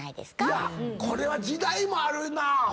いやこれは時代もあるな。